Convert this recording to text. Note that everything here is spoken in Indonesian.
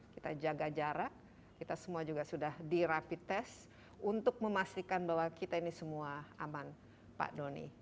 kita jaga jarak kita semua juga sudah di rapid test untuk memastikan bahwa kita ini semua aman pak doni